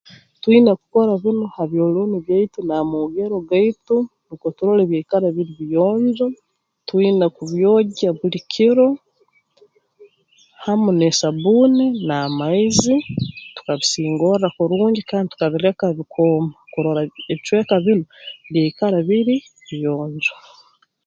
Twina kukora binu ha byolooni byaitu n'amoogero gaitu nukwo turole byaikara biri biyonjo twine kubyogya buli kiro hamu n'esabbuuni n'amaizi tukabisingorra kurungi kandi tukabireka bikooma kurora eb ebicweka binu byaikara biri biyonjo